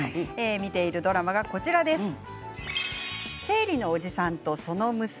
見ているドラマが「生理のおじさんとその娘」。